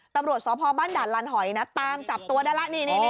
ตรรวจสภอบ้านด่ารันหอยนะตามจับตัวแดล้วนี่